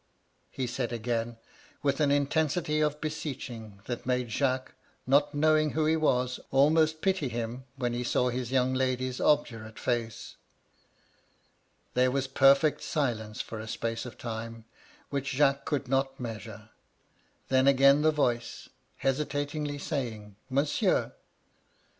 he said again, with an intensity of beseeching that made Jacques — not knowing who he was — almost pity him, when he saw his young lady's obdurate face. " There was perfect silence for a space of time which 190 MY LADY LUDLOW. Jacques could not measure. Then again the TOice, hesitatingly^ saying, ^ Monsieur